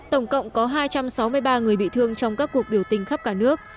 tổng cộng có hai trăm sáu mươi ba người bị thương trong các cuộc biểu tình khắp cả nước